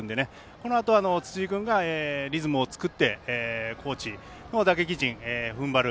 このあと辻井君がリズムを作って高知の打撃陣ふんばる。